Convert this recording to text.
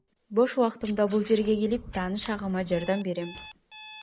Бош убактымда бул жерге келип, тааныш агама жардам берем.